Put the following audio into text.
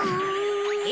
え？